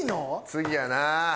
次やな。